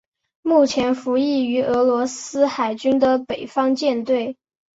目前服役于俄罗斯海军的北方舰队。